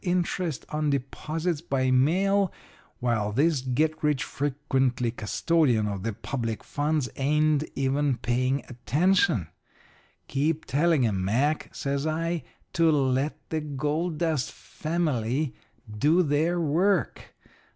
interest on deposits by mail, while this get rich frequently custodian of the public funds ain't even paying attention. Keep telling 'em, Mac,' says I, 'to let the gold dust family do their work.